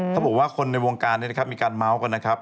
เขาบอกว่าคนในวงการนี้นะครับมีการเมาส์กันนะครับ